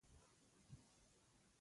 ده په کلي جومات کې همدا کیسه کړې وه.